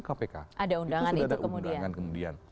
kpk itu sudah ada undangan kemudian